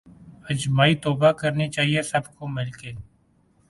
اجتماعی توبہ کرنی چاہیے سب کو مل کے